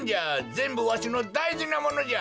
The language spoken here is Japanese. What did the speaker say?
ぜんぶわしのだいじなものじゃ！